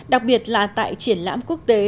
đặc biệt là tại triển lãm quốc tế